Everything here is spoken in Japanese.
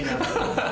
ハハハ！